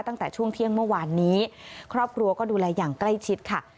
ตั้งแต่ช่วงเที่ยงเมื่อวานนี้ครอบครัวก็ดูแลอย่างใกล้ชิดค่ะ